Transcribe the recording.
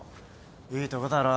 いいとこだろ。